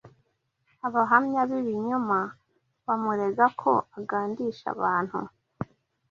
Abahamya b’ibinyoma bamurega ko agandisha abantu